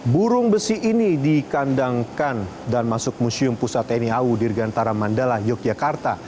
burung besi ini dikandangkan dan masuk museum pusat tni au dirgantara mandala yogyakarta